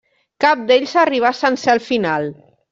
Cap d'ells arribà sencer al final.